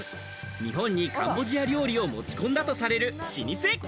日本にカンボジア料理を持ち込んだとされる老舗。